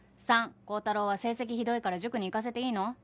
３高太郎は成績ひどいから塾に行かせていいの？